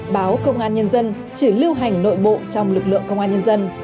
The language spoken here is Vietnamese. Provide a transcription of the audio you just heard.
báo công an nhân dân chỉ lưu hành nội bộ trong lực lượng công an nhân dân